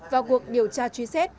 vào cuộc điều tra truy xét